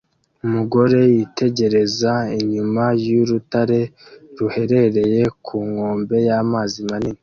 Umugore yitegereza inyuma y'urutare ruherereye ku nkombe y'amazi manini